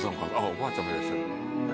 おばあちゃんもいらっしゃる。